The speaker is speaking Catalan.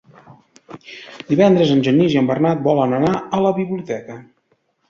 Divendres en Genís i en Bernat volen anar a la biblioteca.